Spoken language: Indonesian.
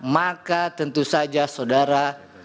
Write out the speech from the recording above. maka tentu saja saudara